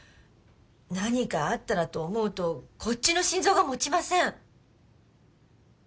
何かあったらと思うとこっちの心臓が持ちません。